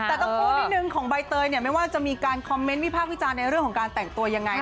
แต่ต้องพูดนิดนึงของใบเตยเนี่ยไม่ว่าจะมีการคอมเมนต์วิพากษ์วิจารณ์ในเรื่องของการแต่งตัวยังไง